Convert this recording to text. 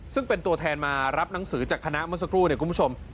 ซึ่งเป็นตัวแทนมารับหนังสือจากคณะเมื่อสักครู่เนี่ยคุณผู้ชม